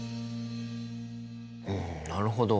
うんなるほど！